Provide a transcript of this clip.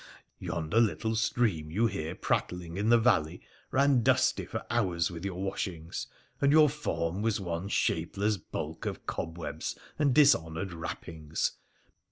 Yonder little stream you hear prattling in the valley ran dusty for hours with your washings, and your form was one shapeless bulk oi cobwebs and dishonoured wrappings.